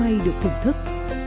hội an được thưởng thức